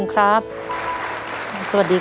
ไม่มีว่าเกมต่อชีวิต